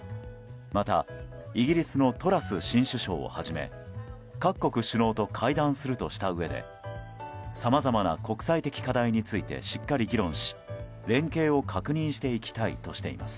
また、イギリスのトラス新首相をはじめ各国首脳と会談するとしたうえでさまざまな国際的課題についてしっかり議論し連携を確認していきたいとしています。